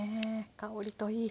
香りといい。